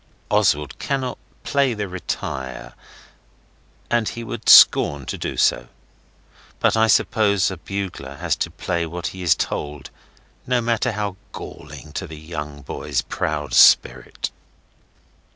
Oswald cannot play the 'retire', and he would scorn to do so. But I suppose a bugler has to play what he is told, no matter how galling to the young boy's proud spirit.